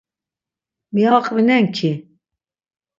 Mi aqvinen ki?